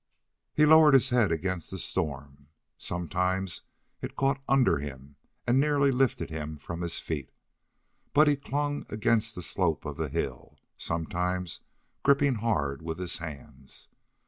He lowered his head against the storm. Sometimes it caught under him and nearly lifted him from his feet. But he clung against the slope of the hill, sometimes gripping hard with his hands.